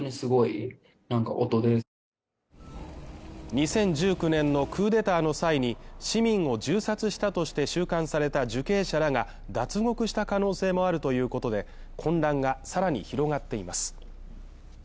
２０１９年のクーデターの際に市民を銃殺したとして収監された受刑者らが脱獄した可能性もあるということで、混乱がさらに広がっています。